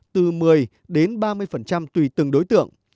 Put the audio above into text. từ một mươi đến ba mươi tùy từng đối tượng